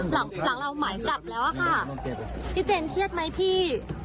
หลังเราหมายจับแล้วอะค่ะพี่เจนเครียดไหมพี่